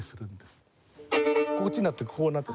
こっちになるとこうなって。